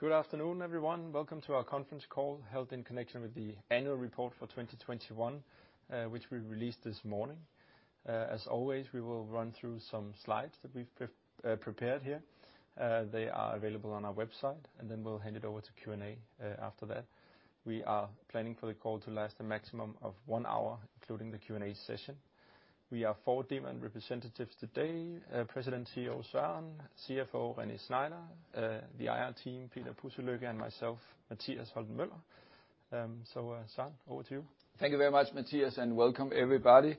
Good afternoon, everyone. Welcome to our conference call, held in connection with the annual report for 2021, which we released this morning. As always, we will run through some slides that we've prepared here. They are available on our website, and then we'll hand it over to Q&A, after that. We are planning for the call to last a maximum of one hour, including the Q&A session. We have four Demant representatives today, President & CEO Søren Nielsen, CFO René Schneider, the IR team, Peter Pudselykke and myself, Mathias Holten Møller. Søren, over to you. Thank you very much, Mathias, and welcome everybody.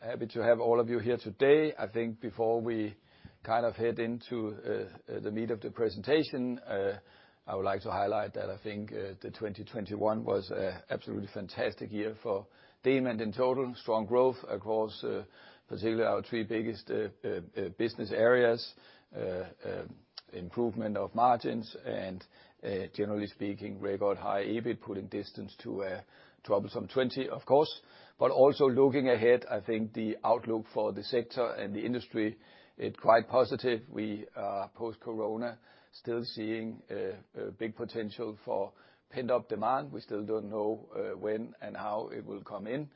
Happy to have all of you here today. I think before we kind of head into the meat of the presentation, I would like to highlight that I think the 2021 was an absolutely fantastic year for Demant in total. Strong growth across, particularly our three biggest business areas, improvement of margins, and generally speaking, record high EBIT, pulling distance to a troublesome 2020, of course. Looking ahead, I think the outlook for the sector and the industry is quite positive. We are post-corona still seeing big potential for pent-up demand. We still don't know when and how it will come in,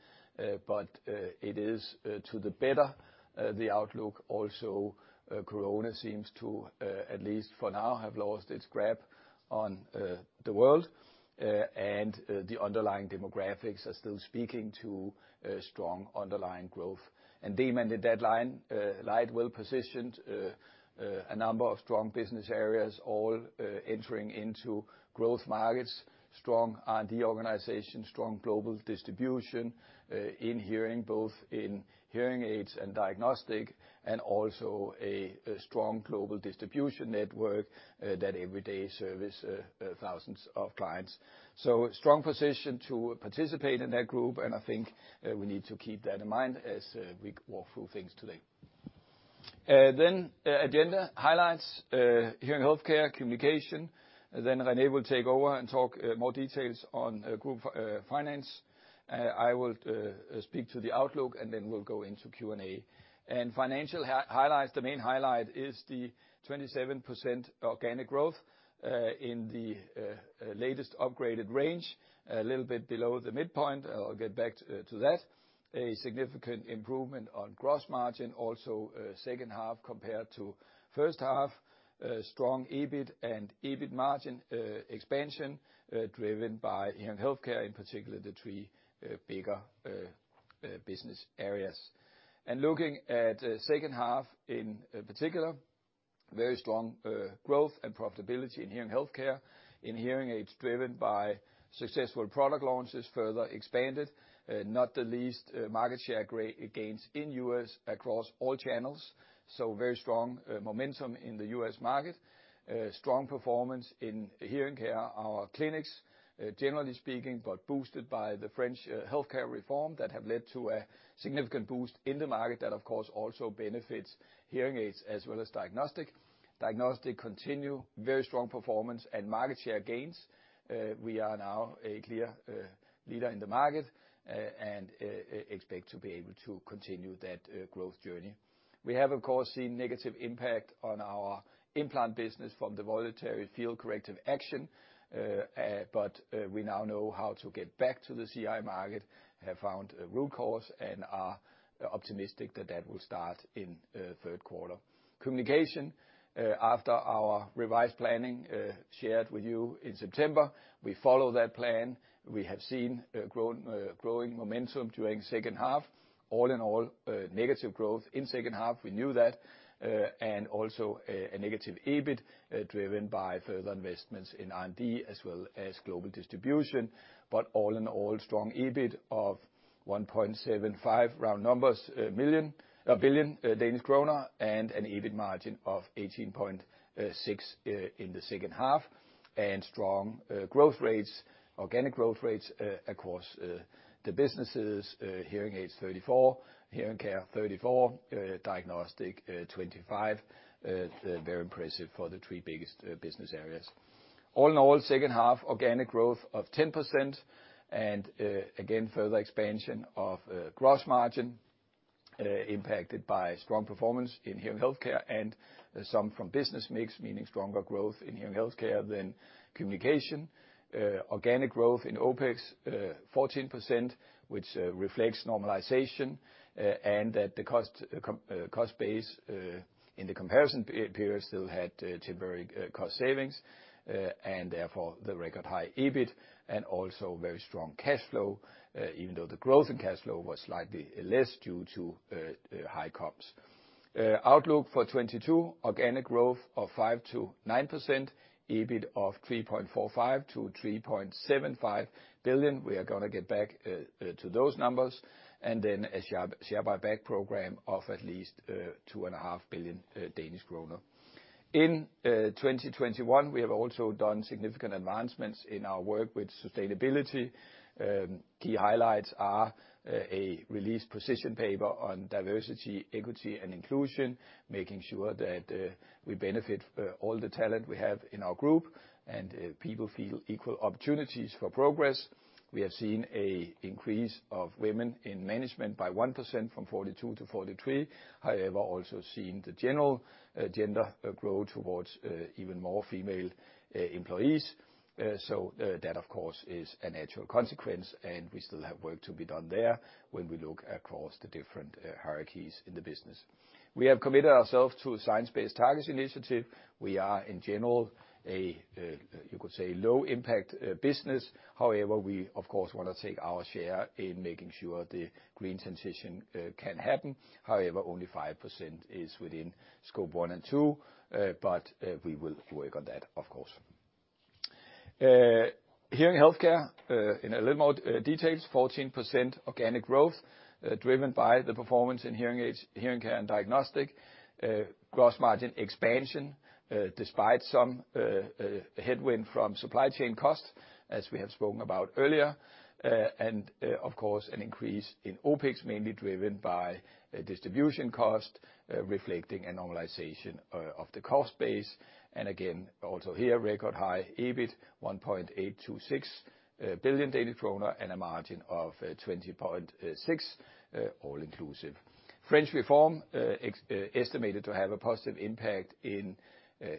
but it is to the better, the outlook. Corona seems to, at least for now, have lost its grab on the world. The underlying demographics are still speaking to strong underlying growth. Demant is well-positioned, a number of strong business areas all entering into growth markets, strong R&D organization, strong global distribution in hearing, both in hearing aids and diagnostics, and also a strong global distribution network that every day services thousands of clients. Strong position to participate in that growth, and I think we need to keep that in mind as we walk through things today. Agenda highlights, Hearing Healthcare, Communication. René will take over and talk more details on group finance. I will speak to the outlook, and then we'll go into Q&A. Financial highlights, the main highlight is the 27% organic growth in the latest upgraded range, a little bit below the midpoint. I'll get back to that. A significant improvement on gross margin, also, second half compared to first half. Strong EBIT and EBIT margin expansion, driven by hearing healthcare, in particular the three bigger business areas. Looking at second half in particular, very strong growth and profitability in hearing healthcare. In hearing aids, driven by successful product launches, further expanded, not the least, market share gains in U.S. across all channels. Very strong momentum in the U.S. market. Strong performance in hearing care. Our clinics, generally speaking, but boosted by the French healthcare reform that have led to a significant boost in the market that of course also benefits hearing aids as well as diagnostics continue very strong performance and market share gains. We are now a clear leader in the market and expect to be able to continue that growth journey. We have, of course, seen negative impact on our implant business from the voluntary field corrective action. But we now know how to get back to the CI market, have found a root cause, and are optimistic that that will start in third quarter. Communication, after our revised planning shared with you in September, we follow that plan. We have seen growing momentum during second half. All in all, negative growth in second half, we knew that, and also a negative EBIT, driven by further investments in R&D as well as global distribution. All in all, strong EBIT of 1.75 billion, round numbers, and an EBIT margin of 18.6% in the second half. Strong growth rates, organic growth rates, across the businesses, hearing aids 34%, hearing care 34%, diagnostic 25%. Very impressive for the three biggest business areas. All in all, second half organic growth of 10%, and again, further expansion of gross margin, impacted by strong performance in hearing healthcare and some from business mix, meaning stronger growth in hearing healthcare than communication. Organic growth in OpEx 14%, which reflects normalization and that the cost base in the comparison period still had temporary cost savings, and therefore the record high EBIT and also very strong cash flow, even though the growth in cash flow was slightly less due to high comps. Outlook for 2022, organic growth of 5%-9%, EBIT of 3.45 billion-3.75 billion. We are gonna get back to those numbers. A share buyback program of at least 2.5 billion Danish kroner. In 2021 we have also done significant advancements in our work with sustainability. Key highlights are a released position paper on diversity, equity, and inclusion, making sure that we benefit all the talent we have in our group, and people feel equal opportunities for progress. We have seen an increase of women in management by 1%, from 42 to 43. However, we have also seen the general gender growth towards even more female employees. That of course is a natural consequence, and we still have work to be done there when we look across the different hierarchies in the business. We have committed ourselves to the Science Based Targets initiative. We are, in general, a you could say, low impact business. However, we of course want to take our share in making sure the green transition can happen. However, only 5% is within Scope 1 and 2, but we will work on that of course. Hearing Healthcare in a little more detail, 14% organic growth, driven by the performance in hearing aids, hearing care and diagnostics. Gross margin expansion despite some headwind from supply chain costs, as we have spoken about earlier. Of course, an increase in OpEx, mainly driven by distribution costs, reflecting a normalization of the cost base. Again, also here, record high EBIT, 1.826 billion kroner, and a margin of 20.6% all inclusive. French reform estimated to have an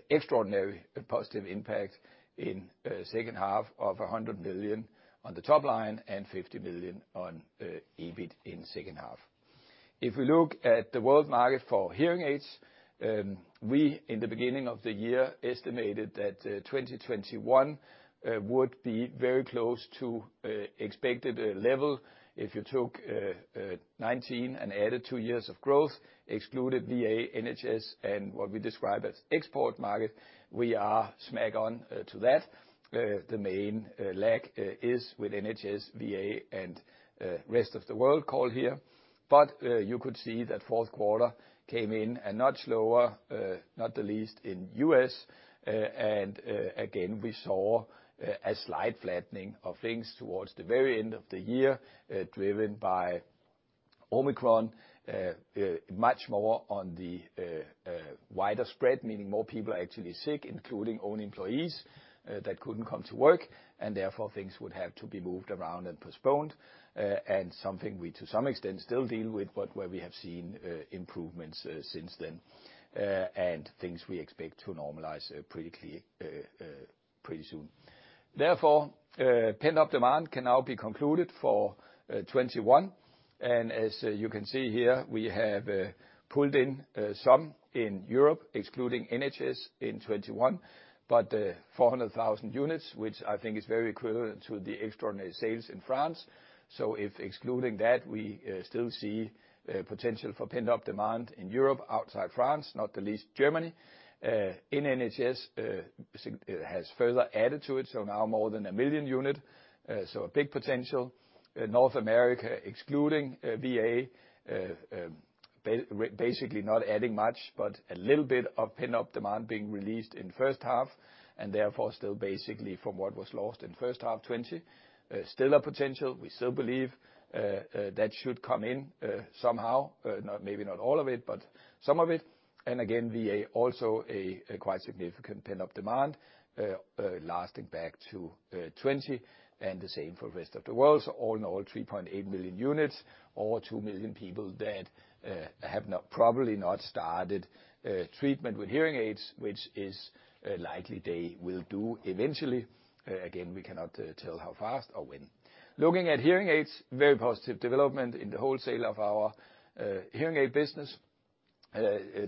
extraordinary positive impact in second half of 100 million on the top line, and 50 million on EBIT in second half. If we look at the world market for hearing aids, we in the beginning of the year estimated that 2021 would be very close to expected level. If you took 2019 and added 2 years of growth, excluded VA, NHS, and what we describe as export market, we are smack on to that. The main lag is with NHS, VA, and rest of the world overall. You could see that fourth quarter came in a notch lower, not the least in U.S.. Again, we saw a slight flattening of things towards the very end of the year, driven by Omicron, much more on the wider spread, meaning more people are actually sick, including own employees, that couldn't come to work, and therefore things would have to be moved around and postponed. Something we to some extent still deal with, but where we have seen improvements since then, and things we expect to normalize pretty soon. Therefore, pent-up demand can now be concluded for 2021. As you can see here, we have pulled in some in Europe, excluding NHS in 2021, 400,000 units, which I think is very equivalent to the extraordinary sales in France. If excluding that, we still see potential for pent-up demand in Europe outside France, not the least Germany. In NHS has further added to it, so now more than a million unit. A big potential. In North America, excluding VA, basically not adding much, but a little bit of pent-up demand being released in first half, and therefore still basically from what was lost in first half 2020. Still a potential. We still believe that should come in somehow, not maybe not all of it, but some of it. Again, VA also a quite significant pent-up demand lasting back to 2020, and the same for rest of the world. All in all, 3.8 million units, or 2 million people that have not probably started treatment with hearing aids, which is likely they will do eventually. Again, we cannot tell how fast or when. Looking at hearing aids, very positive development in the wholesale of our hearing aid business,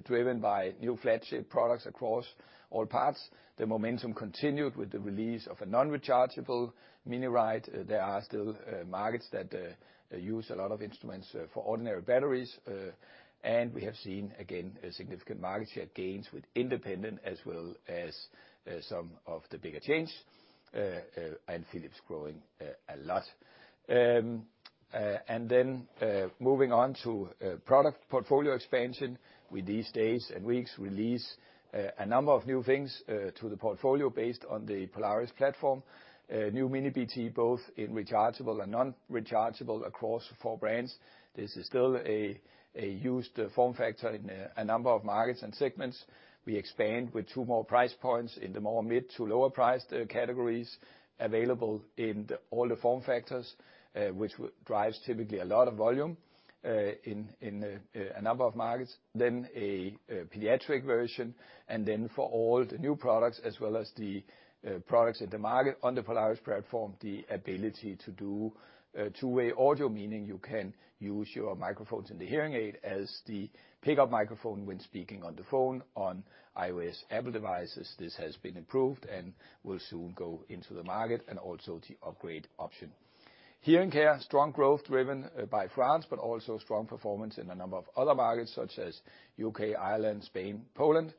driven by new flagship products across all parts. The momentum continued with the release of a non-rechargeable miniRITE. There are still markets that use a lot of instruments for ordinary batteries. We have seen, again, significant market share gains with independent as well as some of the bigger chains, and Philips growing a lot. Moving on to product portfolio expansion. Within these days and weeks, we release a number of new things to the portfolio based on the Polaris platform. New miniBTE both in rechargeable and non-rechargeable across four brands. This is still a used form factor in a number of markets and segments. We expand with two more price points in the more mid- to lower-priced categories available in all the form factors, which drives typically a lot of volume in a number of markets. Then a pediatric version, and then for all the new products as well as the products in the market on the Polaris platform, the ability to do two-way audio, meaning you can use your microphones in the hearing aid as the pickup microphone when speaking on the phone on iOS Apple devices. This has been improved and will soon go into the market, and also the upgrade option. Hearing care, strong growth driven by France, but also strong performance in a number of other markets, such as U.K., Ireland, Spain, Poland.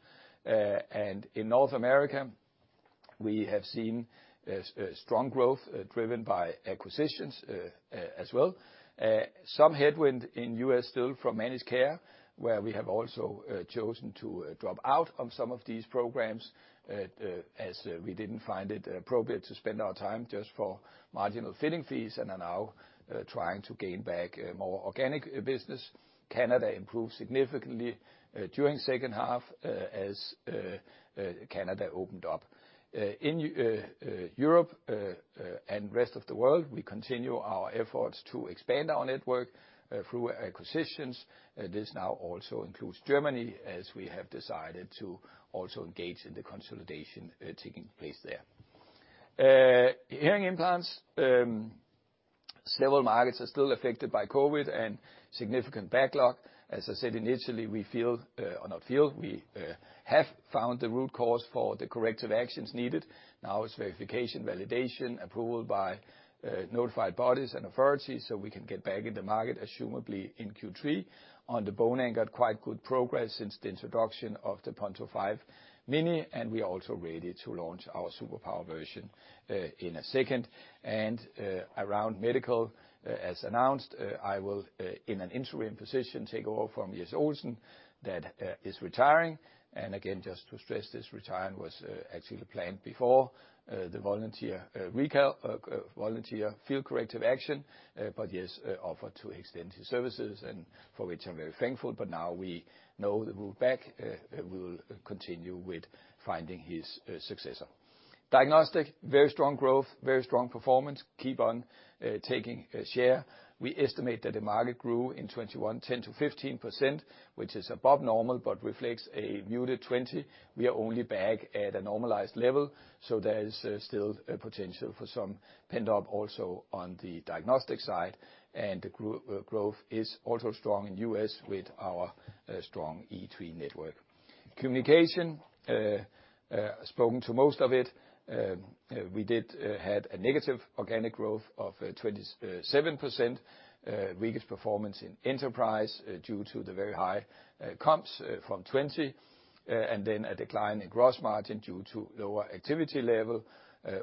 In North America, we have seen strong growth driven by acquisitions, as well. Some headwind in U.S. still from managed care, where we have also chosen to drop out on some of these programs, as we didn't find it appropriate to spend our time just for marginal fitting fees, and are now trying to gain back more organic business. Canada improved significantly during second half, as Canada opened up. In Europe and rest of the world, we continue our efforts to expand our network through acquisitions. This now also includes Germany, as we have decided to also engage in the consolidation taking place there. Hearing implants, several markets are still affected by COVID and significant backlog. As I said, initially, we have found the root cause for the corrective actions needed. Now it's verification, validation, approval by notified bodies and authorities, so we can get back in the market presumably in Q3. On the bone anchor, quite good progress since the introduction of the Ponto 5 Mini, and we are also ready to launch our Super Power version in a second. Around medical, as announced, I will in an interim position take over from Jes Olsen that is retiring. Again, just to stress, this retirement was actually planned before the voluntary recall, voluntary field corrective action. Jes offered to extend his services, for which I'm very thankful, but now we know the route back, we will continue with finding his successor. Diagnostics, very strong growth, very strong performance. Keep on taking share. We estimate that the market grew in 2021, 10%-15%, which is above normal, but reflects a muted 2020. We are only back at a normalized level. There is still potential for some pent-up also on the diagnostics side, and the growth is also strong in U.S. with our strong e3 network. Communication, spoken to most of it. We did had a negative organic growth of 27%, weakest performance in enterprise due to the very high comps from 2020, and then a decline in gross margin due to lower activity level.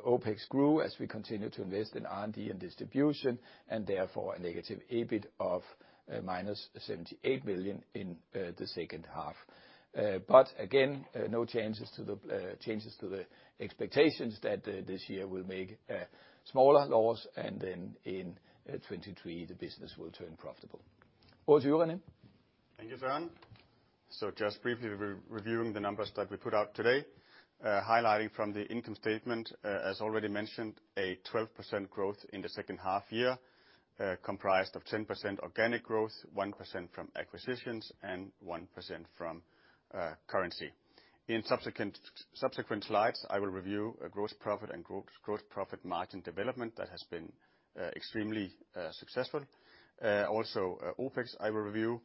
OpEx grew as we continue to invest in R&D and distribution, and therefore a negative EBIT of DKK-78 million in the second half. Again, no changes to the expectations that this year will make smaller loss, and then in 2023, the business will turn profitable. Over to you, René. Thank you, Søren. Just briefly reviewing the numbers that we put out today, highlighting from the income statement, as already mentioned, 12% growth in the second half year, comprised of 10% organic growth, 1% from acquisitions, and 1% from currency. In subsequent slides, I will review gross profit and gross profit margin development that has been extremely successful. Also, OpEx I will review.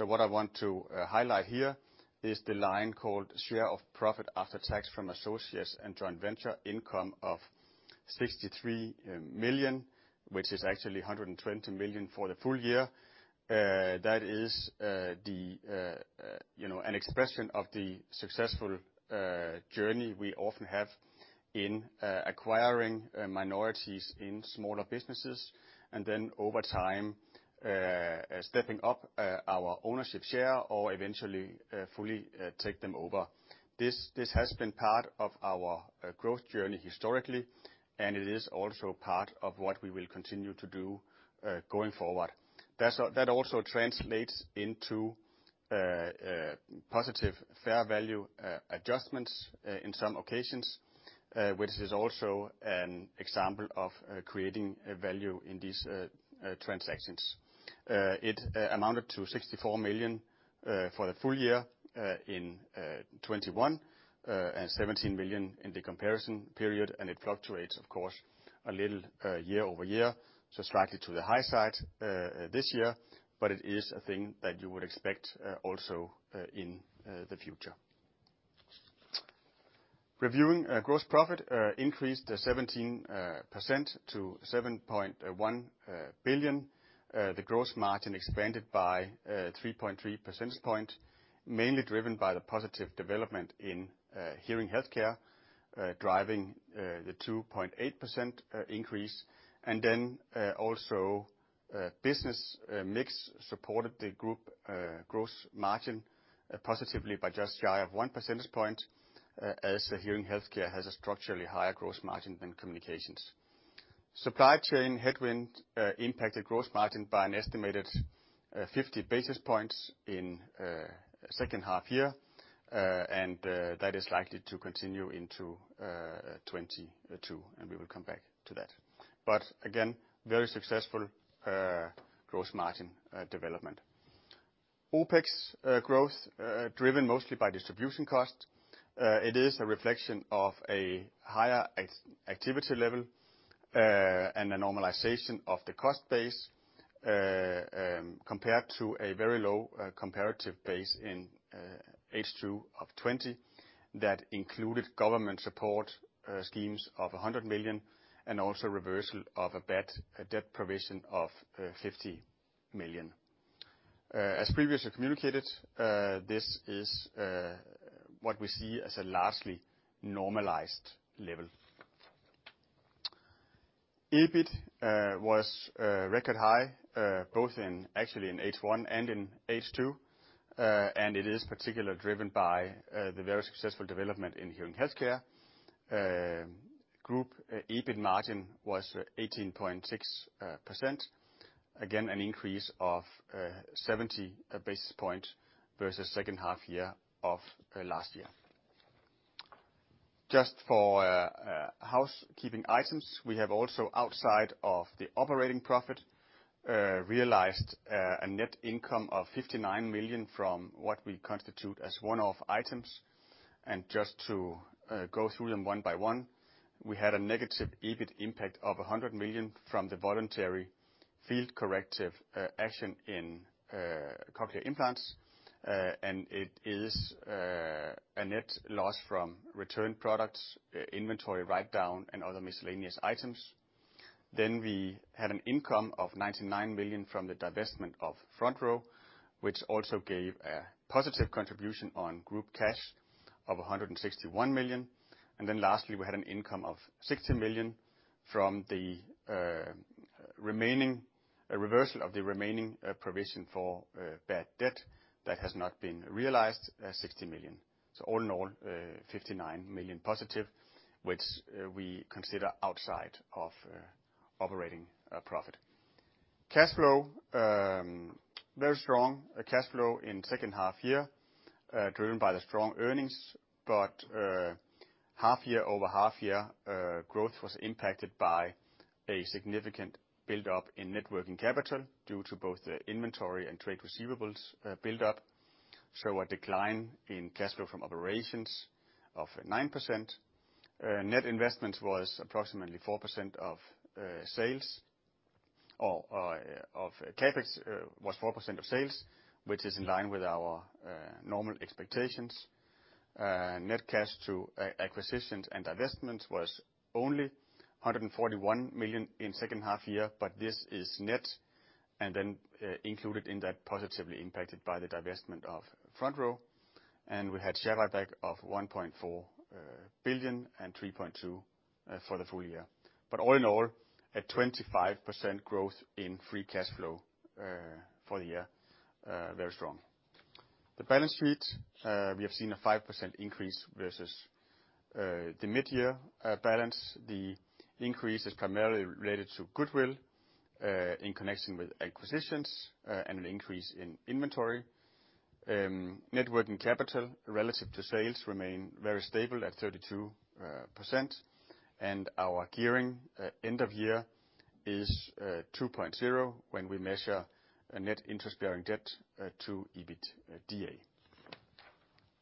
What I want to highlight here is the line called share of profit after tax from associates and joint venture income of 63 million, which is actually 120 million for the full year. That is, you know, an expression of the successful journey we often have in acquiring minorities in smaller businesses and then over time stepping up our ownership share or eventually fully take them over. This has been part of our growth journey historically, and it is also part of what we will continue to do going forward. That also translates into positive fair value adjustments in some occasions, which is also an example of creating value in these transactions. It amounted to 64 million for the full year in 2021 and 17 million in the comparison period, and it fluctuates, of course, a little year-over-year, so slightly to the high side this year, but it is a thing that you would expect also in the future. Reviewing gross profit increased 17% to 7.1 billion. The gross margin expanded by 3.3 percentage points, mainly driven by the positive development in hearing healthcare driving the 2.8% increase, and then also business mix supported the group gross margin positively by just shy of one percentage point, as hearing healthcare has a structurally higher gross margin than communications. Supply chain headwind impacted gross margin by an estimated 50 basis points in second half year, and that is likely to continue into 2022, and we will come back to that. Again, very successful gross margin development. OpEx growth driven mostly by distribution cost. It is a reflection of a higher activity level and a normalization of the cost base compared to a very low comparative base in H2 of 2020 that included government support schemes of 100 million and also reversal of a bad debt provision of 50 million. As previously communicated, this is what we see as a largely normalized level. EBIT was record high, both in actually in H1 and in H2. It is particularly driven by the very successful development in hearing healthcare. Group EBIT margin was 18.6%, again, an increase of 70 basis points versus second half of last year. Just for housekeeping items, we have also, outside of the operating profit, realized a net income of 59 million from what we constitute as one-off items. Just to go through them one by one. We had a negative EBIT impact of 100 million from the voluntary field corrective action in cochlear implants. It is a net loss from returned products, inventory write-down, and other miscellaneous items. We had an income of 99 million from the divestment of Frontrow, which also gave a positive contribution on group cash of 161 million. Then lastly, we had an income of 60 million from a reversal of the remaining provision for bad debt that has not been realized, 60 million. All in all, 59 million+, which we consider outside of operating profit. Cash flow very strong. Cash flow in second half year driven by the strong earnings, but half year over half year growth was impacted by a significant build-up in net working capital due to both the inventory and trade receivables build-up, show a decline in cash flow from operations of 9%. Net investment was approximately 4% of sales or of CapEx was 4% of sales, which is in line with our normal expectations. Net cash to acquisitions and divestments was only 141 million in second half year, but this is net and then included in that positively impacted by the divestment of Frontrow. We had share buyback of 1.4 billion and 3.2 billion for the full year. All in all, a 25% growth in free cash flow for the year, very strong. The balance sheet we have seen a 5% increase versus the mid-year balance. The increase is primarily related to goodwill in connection with acquisitions and an increase in inventory. Net working capital relative to sales remain very stable at 32%. Our gearing at end of year is 2.0 when we measure a net interest-bearing debt to EBITDA.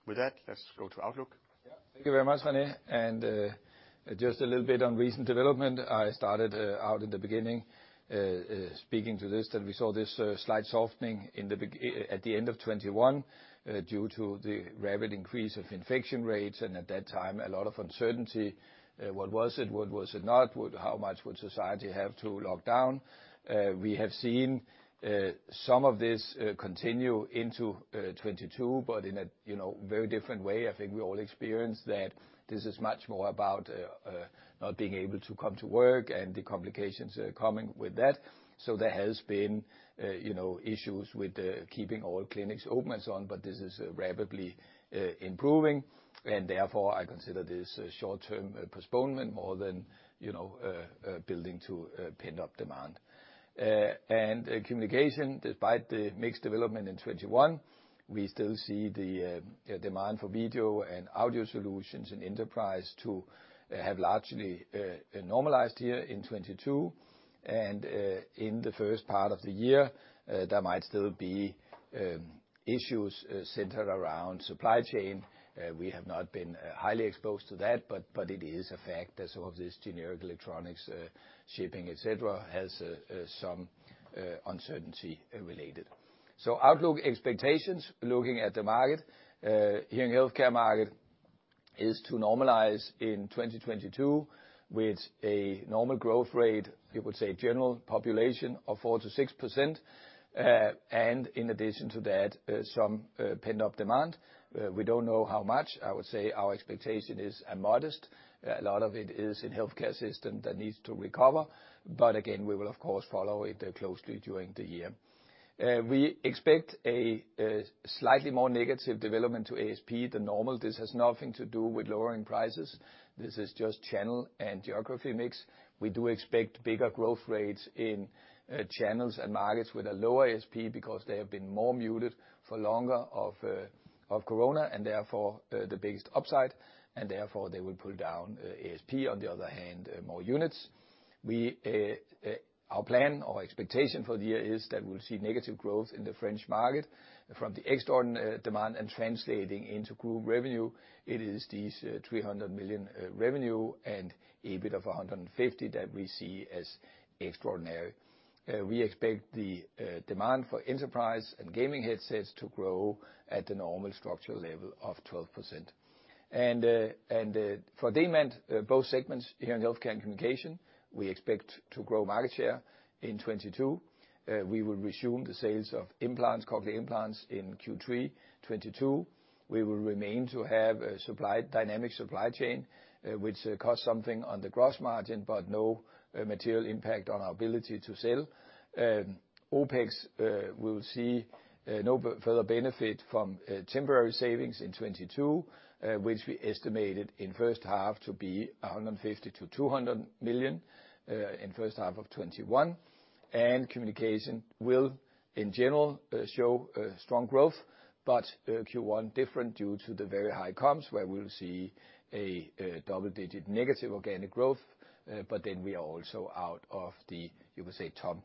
With that, let's go to outlook. Yeah. Thank you very much, René. Just a little bit on recent development. I started out in the beginning speaking to this, that we saw this slight softening at the end of 2021 due to the rapid increase of infection rates, and at that time, a lot of uncertainty, what was it? What was it not? How much would society have to lock down? We have seen some of this continue into 2022, but in a, you know, very different way. I think we all experienced that this is much more about not being able to come to work and the complications coming with that. There has been, you know, issues with keeping all clinics open and so on, but this is rapidly improving. Therefore, I consider this a short-term postponement more than, you know, building to pent-up demand. In communication, despite the mixed development in 2021, we still see the demand for video and audio solutions in enterprise to have largely normalized here in 2022. In the first part of the year, there might still be issues centered around supply chain. We have not been highly exposed to that, but it is a fact that some of this generic electronics shipping, et cetera, has some uncertainty related. Outlook expectations, looking at the market, hearing healthcare market is to normalize in 2022 with a normal growth rate, we would say general population of 4%-6%. In addition to that, some pent-up demand. We don't know how much. I would say our expectation is a modest. A lot of it is in healthcare system that needs to recover. We will of course follow it closely during the year. We expect a slightly more negative development to ASP than normal. This has nothing to do with lowering prices. This is just channel and geography mix. We do expect bigger growth rates in channels and markets with a lower ASP because they have been more muted for longer of COVID, and therefore, the biggest upside, and therefore, they will pull down ASP. On the other hand, more units. Our plan or expectation for the year is that we'll see negative growth in the French market from the extraordinary demand and translating into group revenue. It is these 300 million revenue and EBIT of 150 million that we see as extraordinary. We expect the demand for enterprise and gaming headsets to grow at the normal structural level of 12%. For demand both segments, hearing healthcare and communication, we expect to grow market share in 2022. We will resume the sales of implants, cochlear implants in Q3 2022. We will remain to have a dynamic supply chain, which costs something on the gross margin, but no material impact on our ability to sell. OpEx will see no further benefit from temporary savings in 2022, which we estimated in first half to be 150 million-200 million in first half of 2021. Communication will, in general, show strong growth, but Q1 different due to the very high comps where we'll see a double-digit negative organic growth, but then we are also out of the, you could say top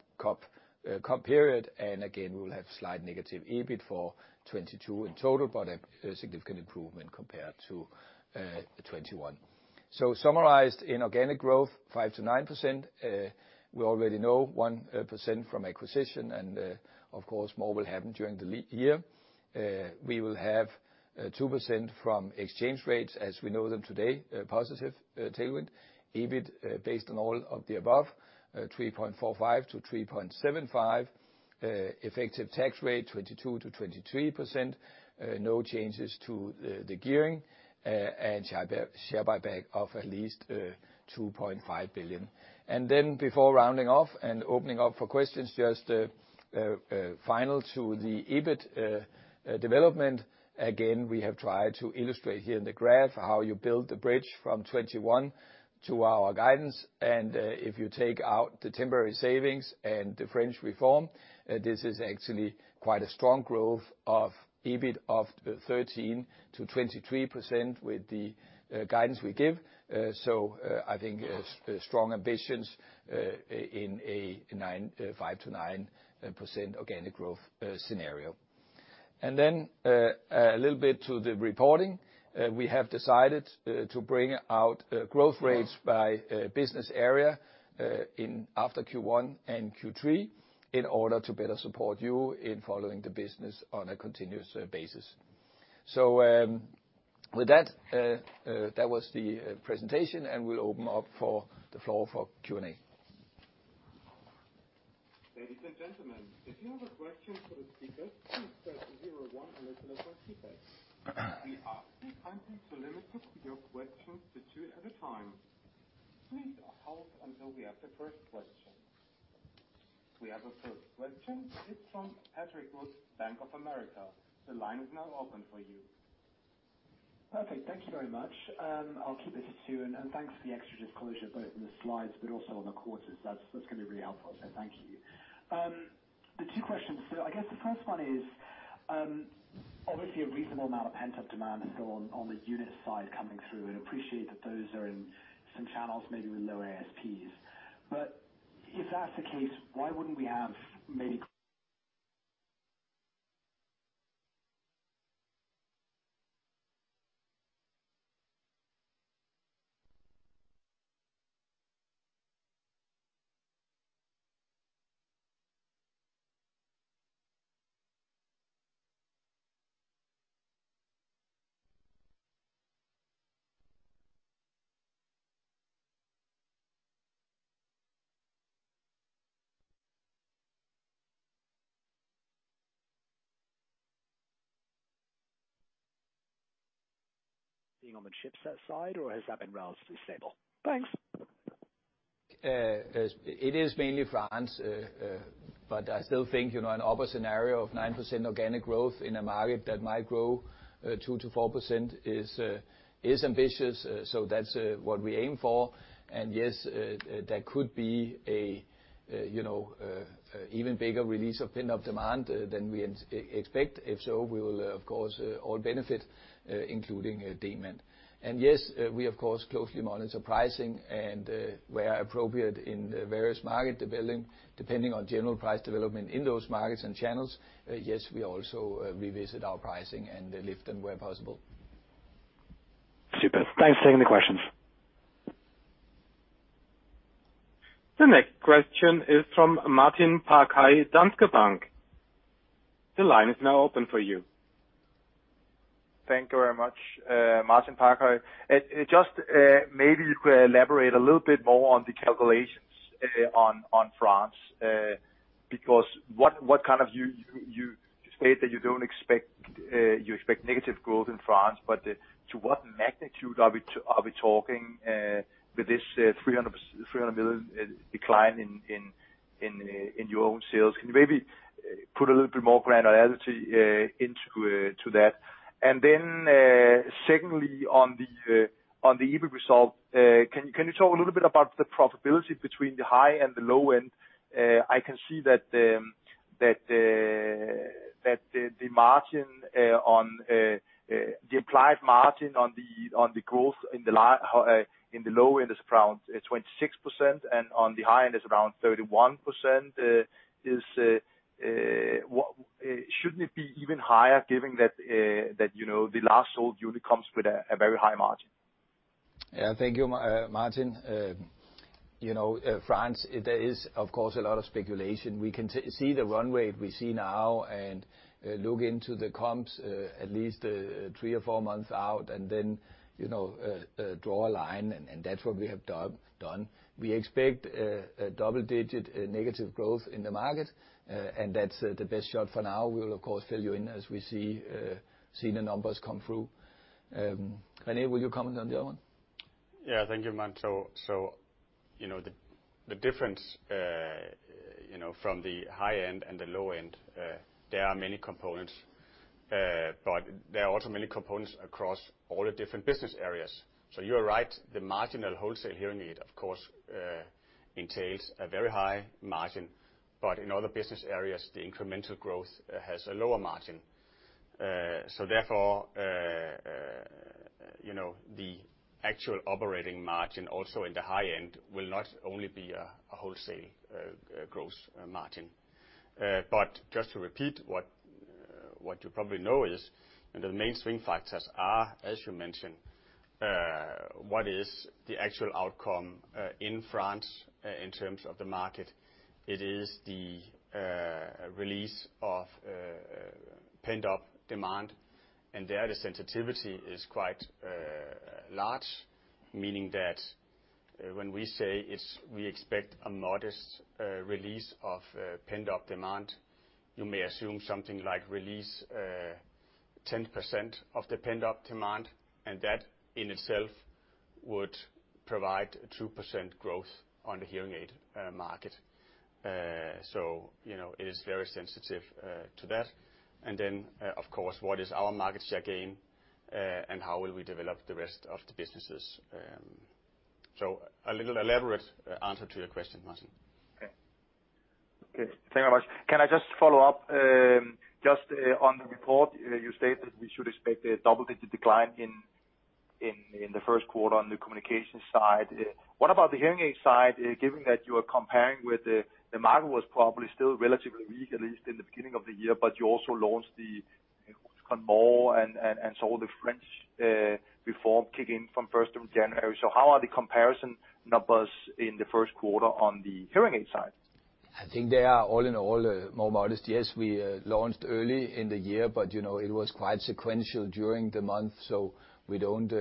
comp period. We'll have slight negative EBIT for 2022 in total, but a significant improvement compared to 2021. Summarized in organic growth 5%-9%. We already know 1% from acquisition, and of course, more will happen during the year. We will have 2% from exchange rates as we know them today, positive tailwind. EBIT based on all of the above 3.45%-3.75%. Effective tax rate 22%-23%. No changes to the gearing. Share buyback of at least 2.5 billion. Then before rounding off and opening up for questions, just final to the EBIT development. Again, we have tried to illustrate here in the graph how you build the bridge from 2021 to our guidance. If you take out the temporary savings and the French reform, this is actually quite a strong growth of EBIT of 13%-23% with the guidance we give. I think strong ambitions in a 5%-9% organic growth scenario. Then a little bit to the reporting. We have decided to bring out growth rates by business area in Q1 and Q3 in order to better support you in following the business on a continuous basis. With that was the presentation, and we'll open the floor for Q&A. Ladies and gentlemen, if you have a question for the speakers, please press zero one on your telephone keypad. We ask you kindly to limit your questions to two at a time. Please hold until we have the first question. We have a first question. It's from Patrick Wood, Bank of America. The line is now open for you. Perfect. Thank you very much. I'll keep this to two, and thanks for the extra disclosure, both in the slides but also on the quarters. That's gonna be really helpful, so thank you. The two questions. I guess the first one is, obviously a reasonable amount of pent-up demand still on the unit side coming through and appreciate that those are in some channels maybe with lower ASPs. But if that's the case, why wouldn't we have maybe being on the chipset side, or has that been relatively stable? Thanks. It is mainly France. But I still think, you know, an upper scenario of 9% organic growth in a market that might grow 2%-4% is ambitious. That's what we aim for. Yes, there could be a, you know, even bigger release of pent-up demand than we expect. If so, we will of course all benefit, including Demant. Yes, we of course closely monitor pricing and, where appropriate in the various markets developing, depending on general price development in those markets and channels. Yes, we also revisit our pricing and lift them where possible. Super. Thanks for taking the questions. The next question is from Martin Parkhøi, Danske Bank. The line is now open for you. Thank you very much. Martin Parkhøi. Just, maybe you could elaborate a little bit more on the calculations on France. Because you state that you expect negative growth in France, but to what magnitude are we talking with this 300 million decline in your own sales? Can you maybe put a little bit more granularity into that? Then, secondly, on the EBIT result, can you talk a little bit about the profitability between the high and the low end? I can see that the margin on the applied margin on the growth in the low end is around 26% and on the high end is around 31%. Shouldn't it be even higher given that, you know, the last sold unit comes with a very high margin? Yeah. Thank you, Martin. You know, France, there is of course a lot of speculation. We can't see the runway we see now and look into the comps at least three or four months out and then you know draw a line and that's what we have done. We expect a double-digit negative growth in the market. That's the best shot for now. We'll of course fill you in as we see the numbers come through. René, will you comment on the other one? Yeah. Thank you, Martin. You know, the difference, you know, from the high end and the low end, there are many components. There are also many components across all the different business areas. You are right. The marginal wholesale hearing aid of course entails a very high margin. In other business areas, the incremental growth has a lower margin. Therefore, you know, the actual operating margin also in the high end will not only be a wholesale gross margin. Just to repeat what you probably know is the main swing factors are, as you mentioned, what is the actual outcome in France in terms of the market. It is the release of pent-up demand, and there the sensitivity is quite large, meaning that when we say we expect a modest release of pent-up demand, you may assume something like release 10% of the pent-up demand, and that in itself would provide 2% growth on the hearing aid market. You know, it is very sensitive to that. Of course, what is our market share gain, and how will we develop the rest of the businesses? A little elaborate answer to your question, Martin. Okay, thank you very much. Can I just follow up, just, on the report, you stated we should expect a double-digit decline in the first quarter on the communications side. What about the hearing aid side, given that you are comparing with the market was probably still relatively weak, at least in the beginning of the year, but you also launched the Mm-hmm. The French reform kick in from 1st of January. How are the comparison numbers in the first quarter on the hearing aid side? I think they are all in all more modest. Yes, we launched early in the year, but you know, it was quite sequential during the month, so we don't.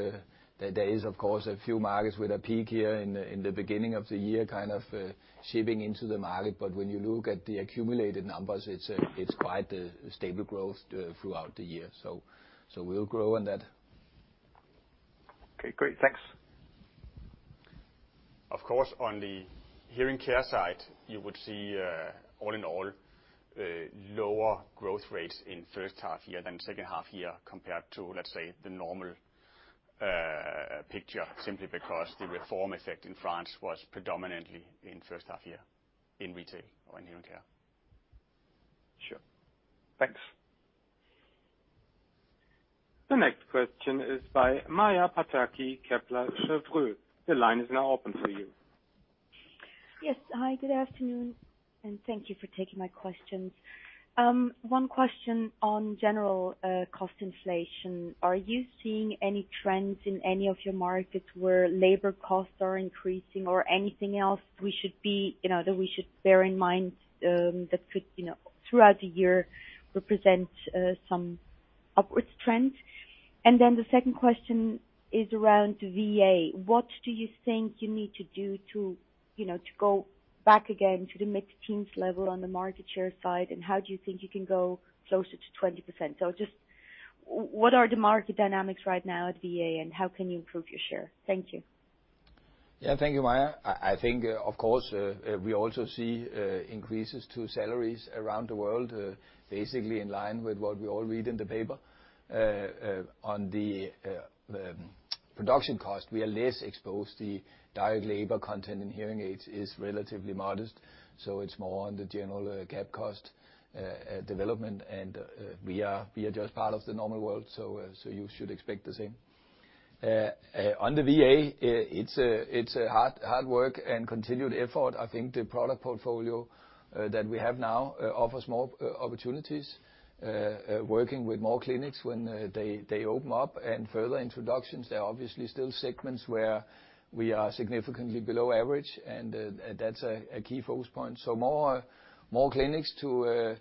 There is, of course, a few markets with a peak here in the beginning of the year, kind of shipping into the market. When you look at the accumulated numbers, it's quite the stable growth throughout the year, so we'll grow on that. Okay, great. Thanks. Of course, on the hearing care side, you would see, all in all, a lower growth rate in first half year than second half year compared to, let's say, the normal, picture, simply because the reform effect in France was predominantly in first half year in retail or in hearing care. Sure. Thanks. The next question is by Maja Pataki, Kepler Cheuvreux. The line is now open for you. Yes. Hi, good afternoon, and thank you for taking my questions. One question on general cost inflation. Are you seeing any trends in any of your markets where labor costs are increasing or anything else we should be, you know, that we should bear in mind, that could, you know, throughout the year represent some upwards trend? And then the second question is around VA. What do you think you need to do to, you know, to go back again to the mid-teens level on the market share side? And how do you think you can go closer to 20%? So just what are the market dynamics right now at VA, and how can you improve your share? Thank you. Yeah, thank you, Maya. I think, of course, we also see increases to salaries around the world, basically in line with what we all read in the paper. On the production cost, we are less exposed. The direct labor content in hearing aids is relatively modest, so it's more on the general G&A cost, development, and we are just part of the normal world. You should expect the same. On the VA, it's a hard work and continued effort. I think the product portfolio that we have now offers more opportunities, working with more clinics when they open up and further introductions. There are obviously still segments where we are significantly below average, and that's a key focus point. More clinics to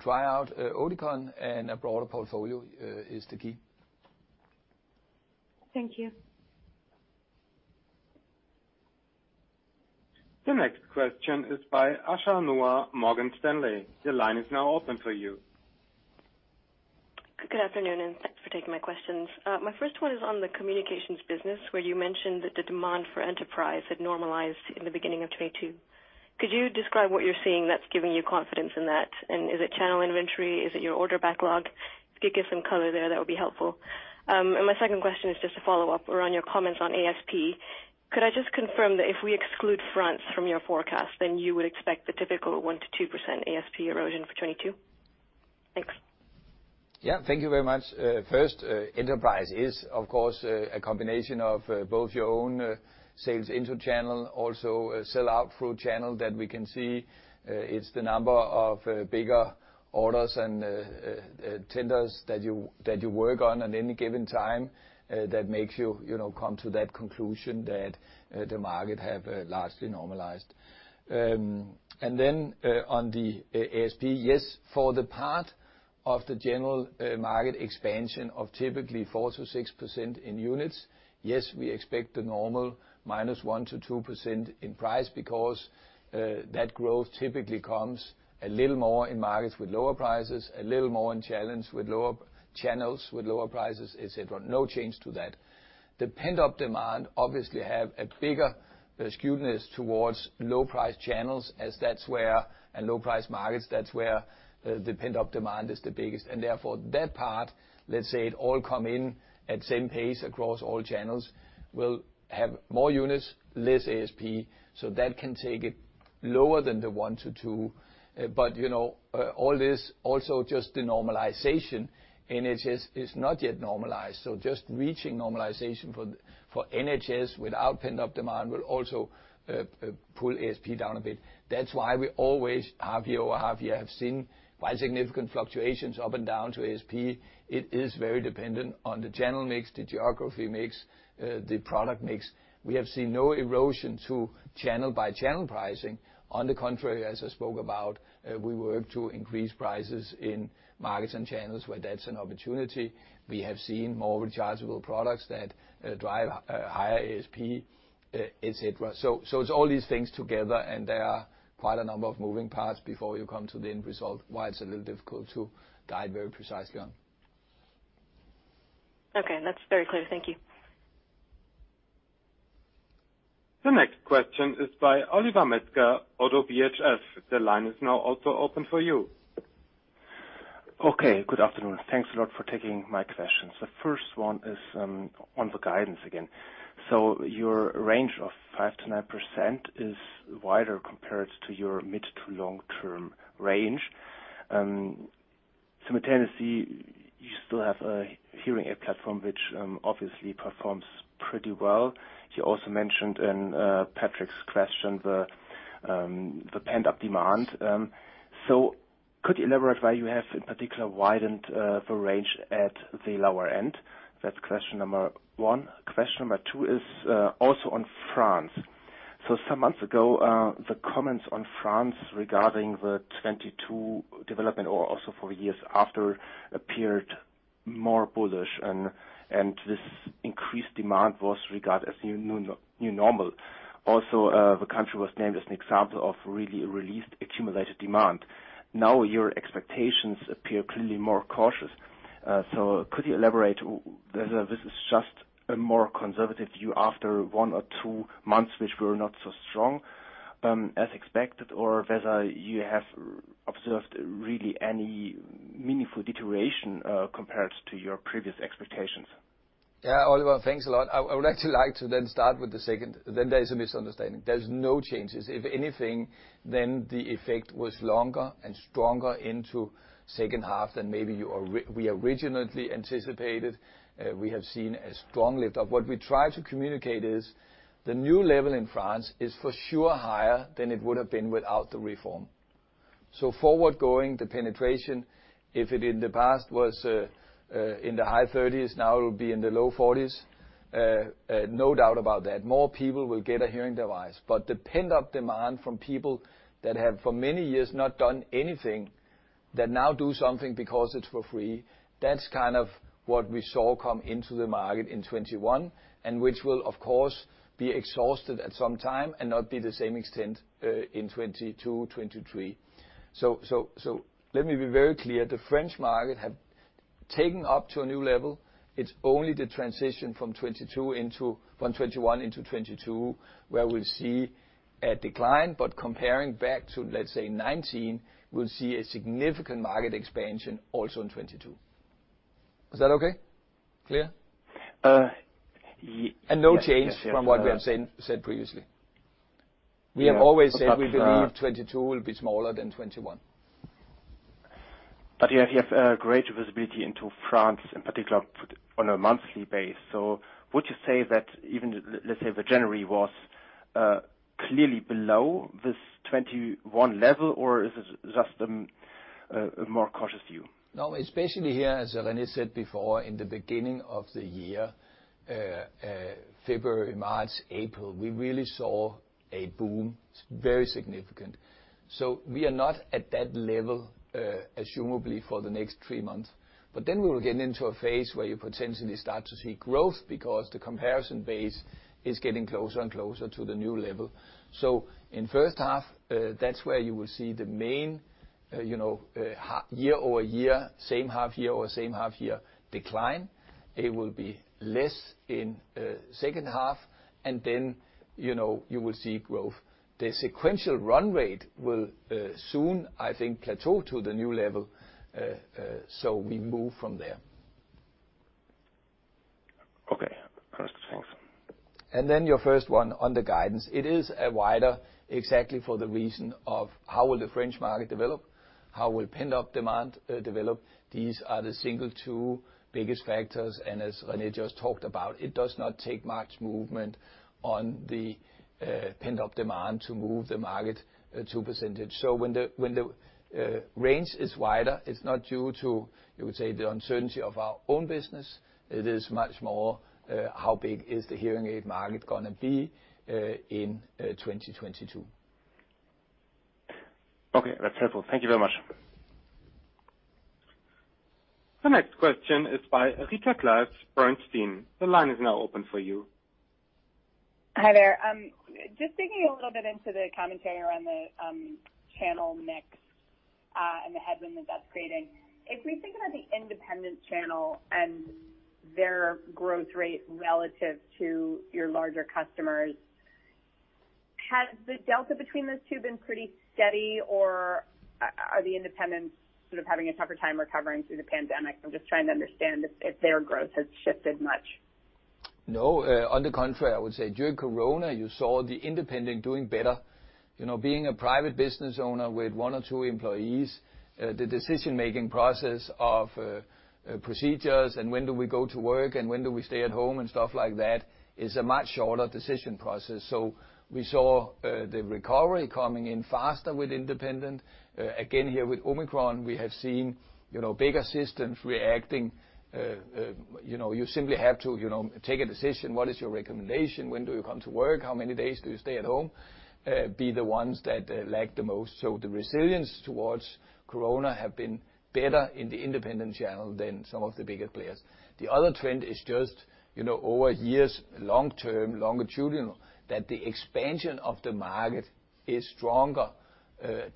try out Oticon and a broader portfolio is the key. Thank you. The next question is by Aisyah Noor, Morgan Stanley. Your line is now open for you. Good afternoon, and thanks for taking my questions. My first one is on the communications business, where you mentioned that the demand for enterprise had normalized in the beginning of 2022. Could you describe what you're seeing that's giving you confidence in that? Is it channel inventory? Is it your order backlog? If you could give some color there, that would be helpful. My second question is just a follow-up around your comments on ASP. Could I just confirm that if we exclude France from your forecast, then you would expect the typical 1%-2% ASP erosion for 2022? Thanks. Yeah. Thank you very much. First, enterprise is, of course, a combination of both your own sales into channel, also sell out through channel that we can see. It's the number of bigger orders and tenders that you work on at any given time that makes you know, come to that conclusion that the market have largely normalized. On the ASP, yes, for the part of the general market expansion of typically 4%-6% in units, yes, we expect the normal -1% to 2% in price because that growth typically comes a little more in markets with lower prices, a little more in channels with lower prices, et cetera. No change to that. The pent-up demand obviously has a bigger skewness towards low price channels as that's where and low price markets, that's where the pent-up demand is the biggest, and therefore that part. Let's say it all comes in at same pace across all channels. We'll have more units, less ASP, so that can take it lower than the 1%-2%. But, you know, all this also just denormalization. NHS is not yet normalized, so just reaching normalization for NHS without pent-up demand will also pull ASP down a bit. That's why we always, half-year over half-year, have seen quite significant fluctuations up and down in ASP. It is very dependent on the channel mix, the geography mix, the product mix. We have seen no erosion in channel by channel pricing. On the contrary, as I spoke about, we work to increase prices in markets and channels where that's an opportunity. We have seen more rechargeable products that drive higher ASP, et cetera. So it's all these things together, and there are quite a number of moving parts before you come to the end result, why it's a little difficult to guide very precisely on. Okay, that's very clear. Thank you. The next question is by Oliver Metzger, ODDO BHF. The line is now also open for you. Good afternoon. Thanks a lot for taking my questions. The first one is on the guidance again. Your range of 5%-9% is wider compared to your mid- to long-term range. Simultaneously, you still have a hearing aid platform which obviously performs pretty well. You also mentioned in Patrick's question the pent-up demand. Could you elaborate why you have in particular widened the range at the lower end? That's question number one. Question number two is also on France. Some months ago the comments on France regarding the 2022 development or also for years after appeared more bullish, and this increased demand was regarded as the new normal. Also, the country was named as an example of really released accumulated demand. Now your expectations appear clearly more cautious. Could you elaborate whether this is just a more conservative view after 1 or 2 months which were not so strong, as expected, or whether you have observed really any meaningful deterioration, compared to your previous expectations? Yeah. Oliver, thanks a lot. I would actually like to start with the second. There's a misunderstanding. There's no changes. If anything, then the effect was longer and stronger into second half than maybe you originally anticipated. We have seen a strong lift up. What we try to communicate is the new level in France is for sure higher than it would have been without the reform. Going forward, the penetration, if it in the past was in the high 30s%, now it will be in the low 40s%. No doubt about that. More people will get a hearing device. The pent-up demand from people that have for many years not done anything, that now do something because it's for free, that's kind of what we saw come into the market in 2021, and which will of course, be exhausted at some time and not be the same extent in 2022, 2023. So let me be very clear. The French market have taken up to a new level. It's only the transition from 2021 into 2022 where we'll see a decline. Comparing back to, let's say, 2019, we'll see a significant market expansion also in 2022. Is that okay? Clear? Uh, ye- No change from what we have said previously. We have always said we believe 2022 will be smaller than 2021. You have greater visibility into France, in particular on a monthly basis. Would you say that even, let's say, in January was clearly below this 2021 level, or is it just a more cautious view? No, especially here, as René said before, in the beginning of the year, February, March, April, we really saw a boom, very significant. We are not at that level, presumably for the next three months. Then we will get into a phase where you potentially start to see growth because the comparison base is getting closer and closer to the new level. In first half, that's where you will see the main, you know, year-over-year, same half-year over same half-year decline. It will be less in second half, and then, you know, you will see growth. The sequential run rate will soon, I think, plateau to the new level, so we move from there. Okay. Understood. Thanks. Your first one on the guidance. It is wider exactly for the reason of how will the French market develop, how will pent-up demand develop. These are the single two biggest factors, and as René Schneider just talked about, it does not take much movement on the pent-up demand to move the market 2%. When the range is wider, it's not due to, you would say, the uncertainty of our own business. It is much more how big is the hearing aid market gonna be in 2022. Okay. That's helpful. Thank you very much. The next question is by [Akita Klauz, France Team] The line is now open for you. Hi, there. Just digging a little bit into the commentary around the channel mix and the headwind that that's creating. If we think about the independent channel and their growth rate relative to your larger customers. Has the delta between those two been pretty steady, or are the independents sort of having a tougher time recovering through the pandemic? I'm just trying to understand if their growth has shifted much. No, on the contrary, I would say during COVID, you saw the independent doing better. You know, being a private business owner with one or two employees, the decision-making process of procedures and when do we go to work and when do we stay at home and stuff like that is a much shorter decision process. We saw the recovery coming in faster with independent. Again, here with Omicron, we have seen, you know, bigger systems reacting. You know, you simply have to take a decision, what is your recommendation? When do you come to work? How many days do you stay at home? Be the ones that lag the most. The resilience towards COVID have been better in the independent channel than some of the bigger players. The other trend is just, you know, over years, long-term, longitudinal, that the expansion of the market is stronger,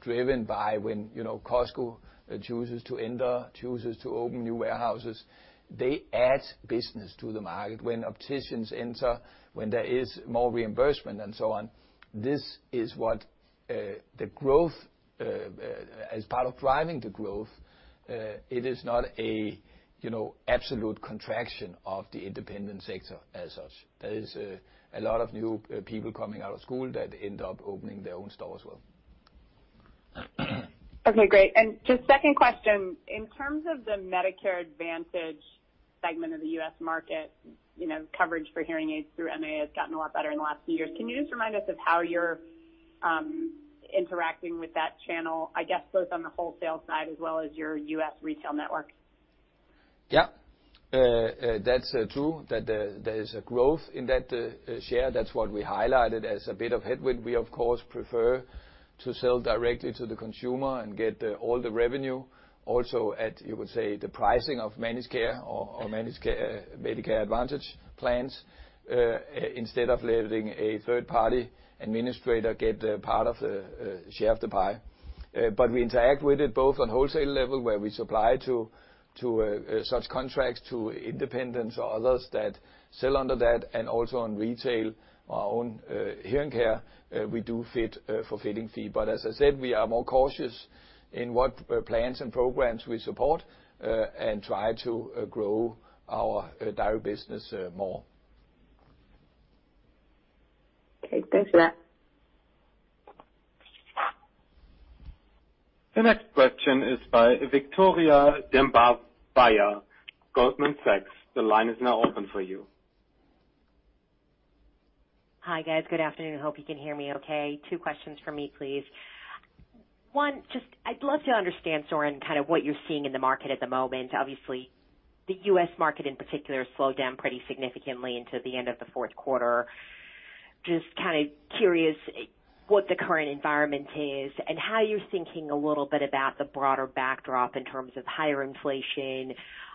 driven by when, you know, Costco chooses to enter, chooses to open new warehouses. They add business to the market. When opticians enter, when there is more reimbursement and so on, this is what the growth as part of driving the growth, it is not a, you know, absolute contraction of the independent sector as such. There is a lot of new people coming out of school that end up opening their own store as well. Okay, great. Just second question, in terms of the Medicare Advantage segment of the U.S. market, you know, coverage for hearing aids through MA has gotten a lot better in the last few years. Can you just remind us of how you're interacting with that channel, I guess, both on the wholesale side as well as your U.S. retail network? Yeah. That's true that there is a growth in that share. That's what we highlighted as a bit of headwind. We, of course, prefer to sell directly to the consumer and get all the revenue also at, you could say, the pricing of managed care or managed care Medicare Advantage plans, instead of letting a third-party administrator get a part of a share of the pie. We interact with it both on wholesale level, where we supply to such contracts to independents or others that sell under that, and also on retail, our own hearing care, we do fit for fitting fee. As I said, we are more cautious in what plans and programs we support and try to grow our direct business more. Okay. Thanks for that. The next question is by Veronika Dubajova, Goldman Sachs. The line is now open for you. Hi, guys. Good afternoon. Hope you can hear me okay. Two questions for me, please. One, just I'd love to understand, Søren, kind of what you're seeing in the market at the moment. Obviously, the U.S. market in particular slowed down pretty significantly into the end of the fourth quarter. Just kind of curious what the current environment is and how you're thinking a little bit about the broader backdrop in terms of higher inflation,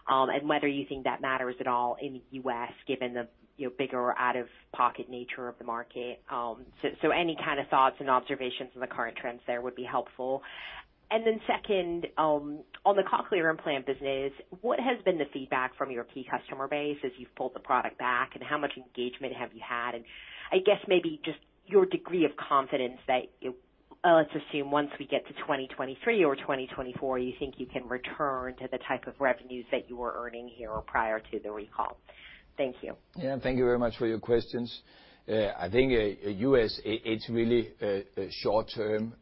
and whether you think that matters at all in the U.S., given the, you know, bigger out-of-pocket nature of the market. So any kind of thoughts and observations on the current trends there would be helpful. Second, on the cochlear implant business, what has been the feedback from your key customer base as you've pulled the product back, and how much engagement have you had? I guess maybe just your degree of confidence that, let's assume once we get to 2023 or 2024, you think you can return to the type of revenues that you were earning here or prior to the recall. Thank you. Yeah. Thank you very much for your questions. I think U.S., it's really a short-term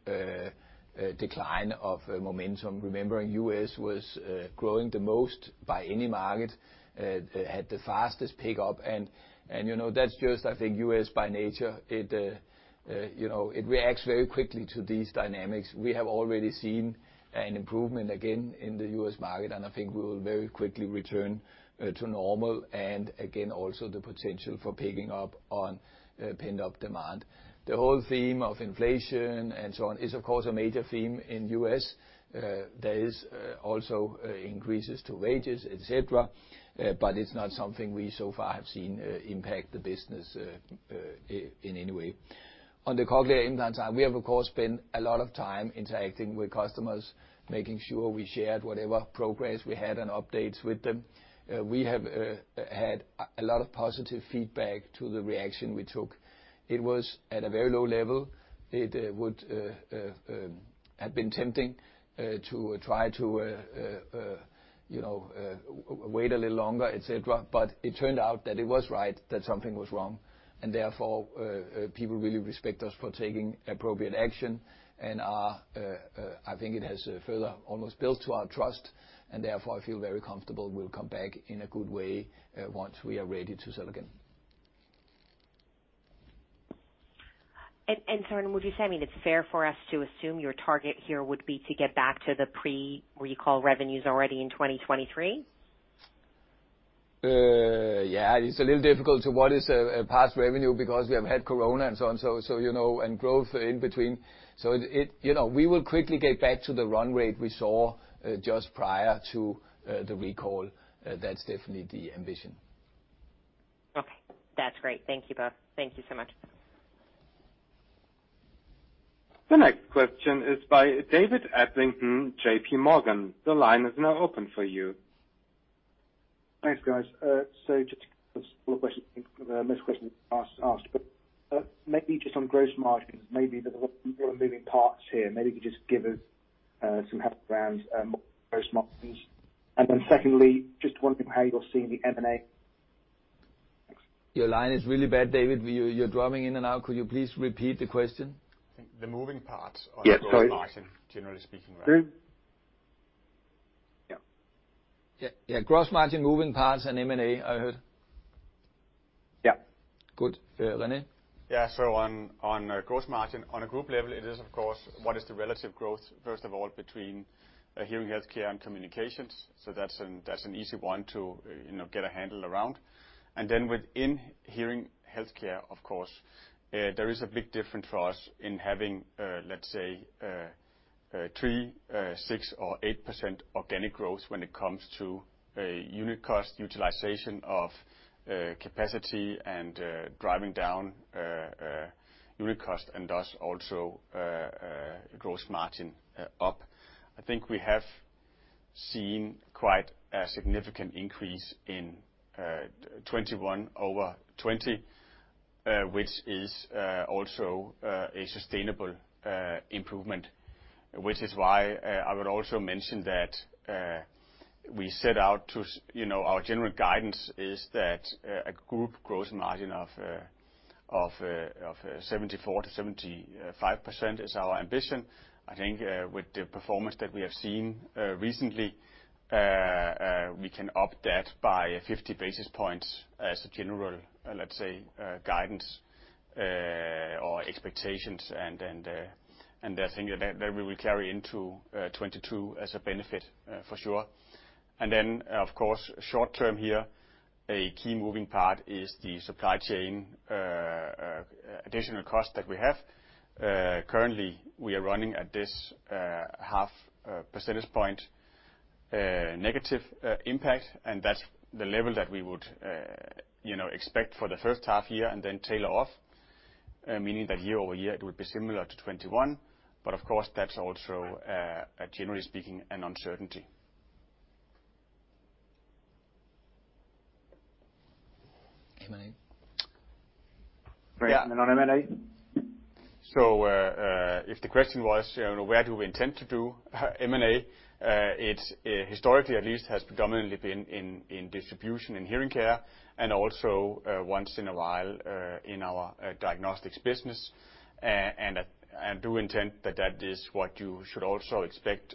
decline of momentum. Remembering U.S. was growing the most by any market, had the fastest pickup. You know, that's just, I think U.S. by nature, it you know it reacts very quickly to these dynamics. We have already seen an improvement again in the U.S. market, and I think we will very quickly return to normal and again, also the potential for picking up on pent-up demand. The whole theme of inflation and so on is, of course, a major theme in U.S. There is also increases to wages, et cetera, but it's not something we so far have seen impact the business in any way. On the cochlear implant side, we have of course spent a lot of time interacting with customers, making sure we shared whatever progress we had and updates with them. We have had a lot of positive feedback to the action we took. It was at a very low level. It would have been tempting to try to you know wait a little longer, et cetera, but it turned out that it was right that something was wrong, and therefore people really respect us for taking appropriate action. I think it has further almost built up our trust, and therefore I feel very comfortable we'll come back in a good way once we are ready to sell again. Søren, would you say, I mean, it's fair for us to assume your target here would be to get back to the pre-recall revenues already in 2023? Yeah. It's a little difficult to say what a past revenue is because we have had COVID and so on. You know, and growth in between. You know, we will quickly get back to the run rate we saw just prior to the recall. That's definitely the ambition. Okay. That's great. Thank you both. Thank you so much. The next question is by David Adlington, JPMorgan. The line is now open for you. Thanks, guys. Just a couple of questions, most questions asked, but maybe just on gross margins, maybe the moving parts here, maybe you could just give us some help around gross margins. Then secondly, just wondering how you're seeing the M&A. Thanks. Your line is really bad, David. You're dropping in and out. Could you please repeat the question? I think the moving parts. Yeah. Sorry. on the growth margin, generally speaking around. Yeah. Yeah. Gross margin, moving parts, and M&A, I heard. Yeah. Good. René? On gross margin, on a group level, it is of course what is the relative growth, first of all, between hearing healthcare and communications. That's an easy one to you know get a handle around. Then within hearing healthcare, of course, there is a big difference for us in having let's say 3%, 6%, or 8% organic growth when it comes to unit cost utilization of capacity and driving down unit cost, and thus also gross margin up. I think we have seen quite a significant increase in 2021 over 2020, which is also a sustainable improvement. Which is why, I would also mention that, we set out to you know, our general guidance is that a group gross margin of 74%-75% is our ambition. I think, with the performance that we have seen, recently, we can up that by 50 basis points as a general, let's say, guidance, or expectations. I think that we will carry into 2022 as a benefit, for sure. Then, of course, short term here, a key moving part is the supply chain, additional cost that we have. Currently we are running at this 0.5 percentage point negative impact, and that's the level that we would you know expect for the first half year and then tail off. Meaning that year-over-year it would be similar to 2021, but of course that's also generally speaking an uncertainty. M&A? Yeah. On M&A? If the question was, you know, where do we intend to do M&A, it's historically at least has predominantly been in distribution and hearing care, and also once in a while in our diagnostics business. I do intend that is what you should also expect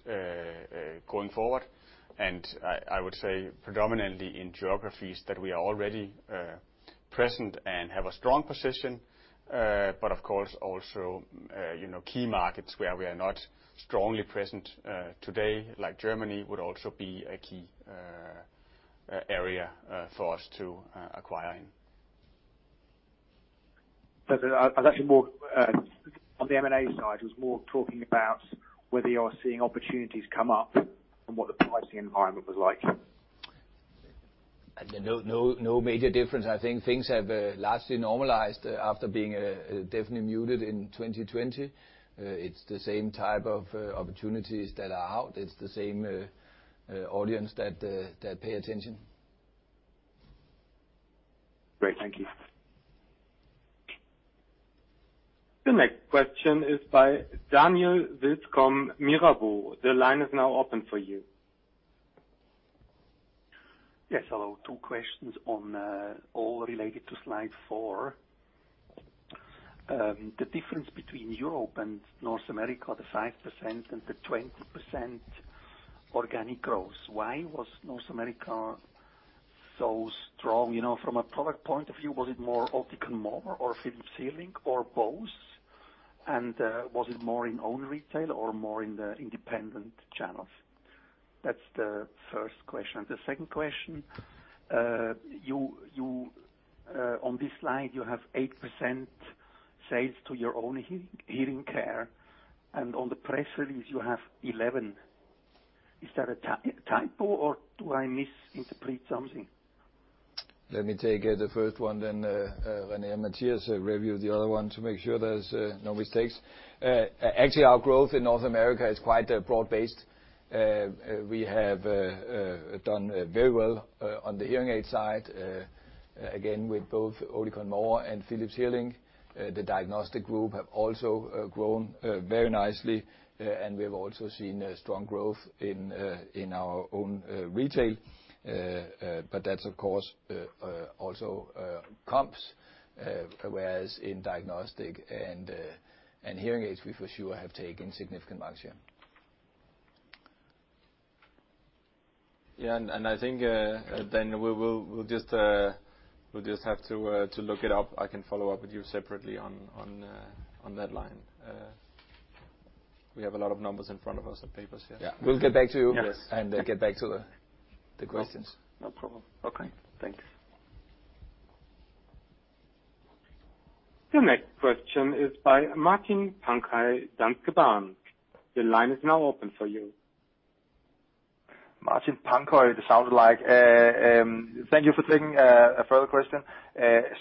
going forward. I would say predominantly in geographies that we are already present and have a strong position. Of course also, you know, key markets where we are not strongly present today, like Germany, would also be a key area for us to acquire in. I was actually more on the M&A side, it was more talking about whether you're seeing opportunities come up and what the pricing environment was like. No, no major difference. I think things have largely normalized after being definitely muted in 2020. It's the same type of opportunities that are out. It's the same audience that pay attention. Great. Thank you. The next question is by Daniel Witzke from Mirabaud. The line is now open for you. Yes. Hello. Two questions on all related to slide four. The difference between Europe and North America, the 5% and the 20% organic growth. Why was North America so strong? You know, from a product point of view, was it more Oticon More or Philips HearLink or both? And was it more in own retail or more in the independent channels? That's the first question. The second question, on this slide, you have 8% sales to your own hearing care, and on the press release you have 11. Is that a typo or do I misinterpret something? Let me take the first one then, René and Mathias review the other one to make sure there's no mistakes. Actually, our growth in North America is quite broad-based. We have done very well on the hearing aid side, again, with both Oticon More and Philips HearLink. The diagnostic group have also grown very nicely, and we have also seen strong growth in our own retail. That's of course also comps, whereas in diagnostic and hearing aids, we for sure have taken significant market share. Yeah. I think then we'll just have to look it up. I can follow up with you separately on that line. We have a lot of numbers in front of us and papers here. Yeah. We'll get back to you. Yes. Get back to the questions. No problem. Okay. Thanks. The next question is by Martin Parkhøi at Danske Bank. The line is now open for you. Martin Parkhøi, it sounds like. Thank you for taking a further question.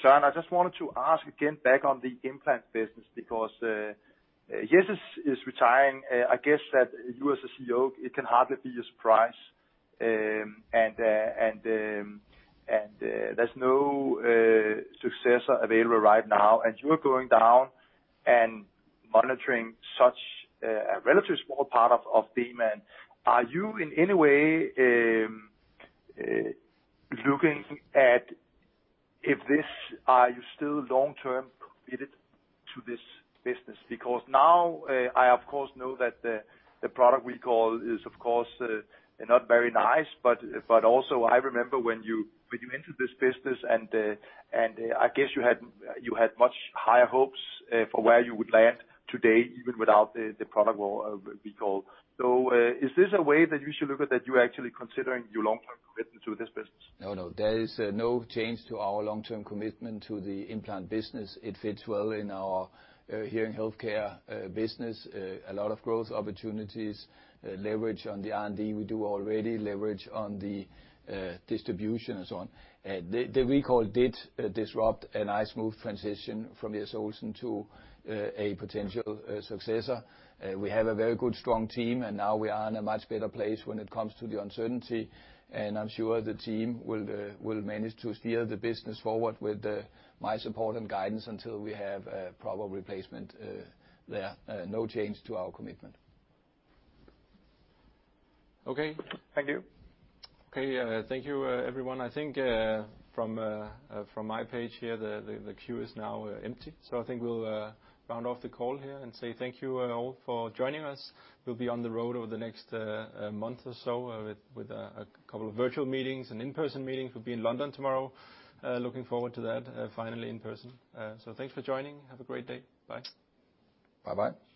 Søren, I just wanted to ask again back on the implant business because, Jes is retiring. I guess that you as a CEO, it can hardly be a surprise. There's no successor available right now, and you are going down and monitoring such a relatively small part of Demant. Are you still long-term committed to this business? Because now I of course know that the product recall is of course not very nice. Also I remember when you entered this business and I guess you had much higher hopes for where you would land today even without the product recall. Is this a way that you should look at that you're actually considering your long-term commitment to this business? No, no. There is no change to our long-term commitment to the implant business. It fits well in our hearing healthcare business. A lot of growth opportunities, leverage on the R&D we do already, leverage on the distribution and so on. The recall did disrupt a nice, smooth transition from Jes Olsen to a potential successor. We have a very good, strong team, and now we are in a much better place when it comes to the uncertainty. I'm sure the team will manage to steer the business forward with my support and guidance until we have a proper replacement there. No change to our commitment. Okay. Thank you. Okay. Thank you, everyone. I think from my page here, the queue is now empty. I think we'll round off the call here and say thank you all for joining us. We'll be on the road over the next month or so with a couple of virtual meetings and in-person meetings. We'll be in London tomorrow. Looking forward to that, finally in person. Thanks for joining. Have a great day. Bye. Bye-bye.